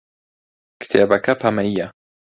کتێبەکە پەمەیییە.